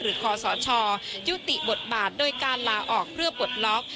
หรือคอสชยุติบทบาทโดยการลาออกเพื่อบทล็อค